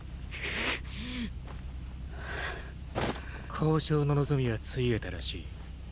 交渉の望みは潰えたらしい。